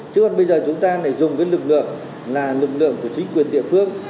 chứ còn bây giờ chúng ta lại dùng cái lực lượng là lực lượng của chính quyền địa phương